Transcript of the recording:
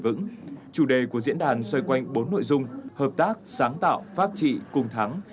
vững chủ đề của diễn đàn xoay quanh bốn nội dung hợp tác sáng tạo pháp trị cùng thắng